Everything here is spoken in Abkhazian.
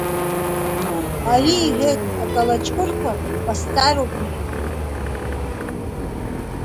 Ари иҳәеит, акалаҷкәырқәа ҟасҵароуп, — иҳәеит.